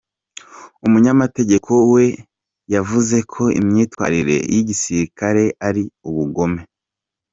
Umunyamategeko we yavuze ko imyitwarire y’igisirikare ari ubugome.